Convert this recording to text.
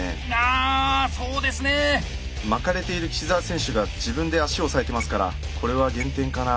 あそうですね。巻かれている岸澤選手が自分で足押さえてますからこれは減点かな。